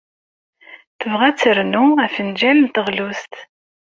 Tebɣa ad ternu afenjal n teɣlust.